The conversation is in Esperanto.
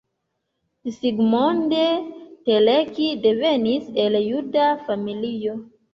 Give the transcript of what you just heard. Zsigmond Teleki devenis el juda familio.